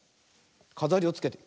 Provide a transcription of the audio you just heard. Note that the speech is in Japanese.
かざりをつけてみる。